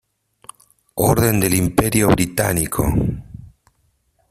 Orden del Imperio Británico